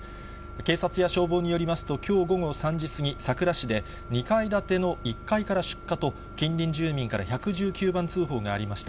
警察や消防によりますと、きょう午後３時過ぎ、佐倉市で、２階建ての１階から出火と、近隣住民から１１９番通報がありました。